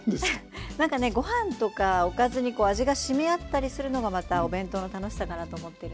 何かねご飯とかおかずに味がしみ合ったりするのがまたお弁当の楽しさかなと思っているので。